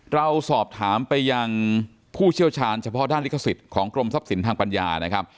เราสอบถามไปยังผู้เชี่ยวชาญเฉพาะด้านลิขสิทธิ์ของกรมทรัพย์สินทางปัญญานะครับ